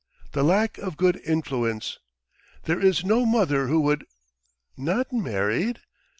The lack of good influence! There is no mother who would. ... Not married?